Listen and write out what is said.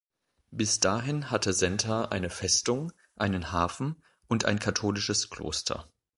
Bis dahin hatte Senta eine Festung, einen Hafen und ein katholisches Kloster.